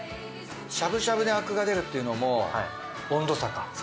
しゃぶしゃぶでアクが出るっていうのも温度差か。